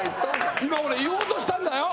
今俺言おうとしたんだよ。